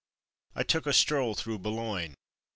I took a stroll through Boulogne.